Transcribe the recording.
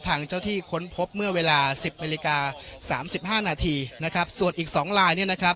ทางเจ้าที่ค้นพบเมื่อเวลาสิบนาฬิกาสามสิบห้านาทีนะครับส่วนอีกสองลายเนี่ยนะครับ